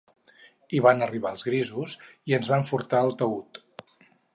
I van arribar els grisos i ens van furtar el taüt